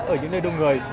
ở những nơi đông người